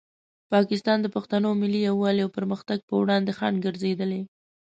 پاکستان د پښتنو ملي یووالي او پرمختګ په وړاندې خنډ ګرځېدلی.